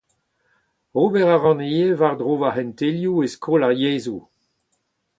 Ober a ran ivez war-dro ma c'hentelioù e skol ar yezhoù.